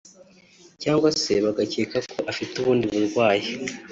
cyangwa se bagakeka ko afite ubundi burwayi